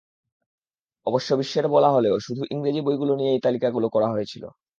অবশ্য বিশ্বের বলা হলেও শুধু ইংরেজি বইগুলো নিয়েই তালিকাগুলো করা হয়েছিল।